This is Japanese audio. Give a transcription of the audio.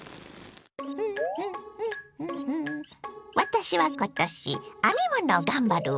私は今年編み物を頑張るわ！